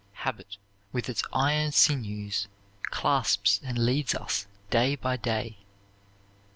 Habit, with its iron sinews, Clasps and leads us day by day.